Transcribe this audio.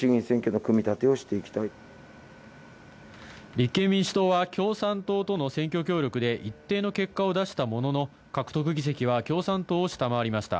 立憲民主党は共産党との選挙協力で一定の結果を出したものの、獲得議席は共産党を下回りました。